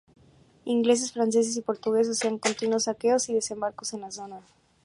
Ingleses, franceses y portugueses hacían continuos saqueos y desembarcos en la zona.